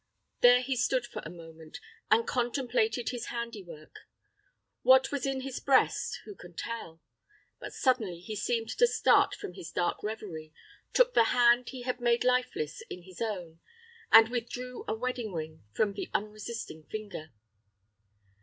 There he stood for a moment, and contemplated his handiwork. What was in his breast who can tell? But suddenly he seemed to start from his dark revery, took the hand he had made lifeless in his own, and withdrew a wedding ring from the unresisting finger.